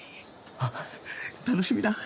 ああ楽しみだ